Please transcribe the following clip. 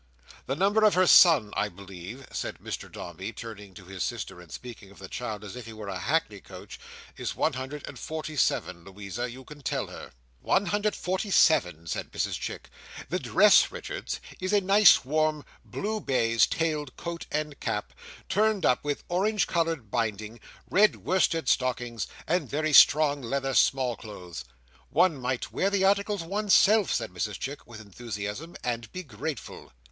The number of her son, I believe," said Mr Dombey, turning to his sister and speaking of the child as if he were a hackney coach, is one hundred and forty seven. Louisa, you can tell her." "One hundred and forty seven," said Mrs Chick "The dress, Richards, is a nice, warm, blue baize tailed coat and cap, turned up with orange coloured binding; red worsted stockings; and very strong leather small clothes. One might wear the articles one's self," said Mrs Chick, with enthusiasm, "and be grateful."